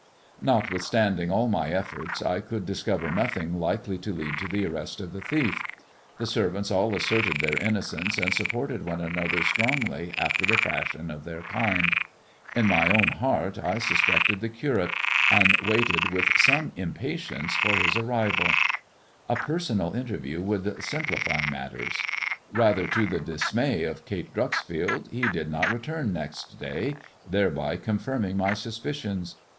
Notwithstanding all my efforts I could discover nothing likely to lead to the arrest of the thief. The servants all asserted their innocence, and supported one another strongly after the fashion of their kind. In my own heart I sus I'r 352 raE IVORY LEG AND THE DIAMONDS pected the Curate, and waited with some impatience for his arrival. A personal interview would simplify matters. Bather to the dismay of Kate Dreuxfield, he did not return next day, thereby confirming my suspicions.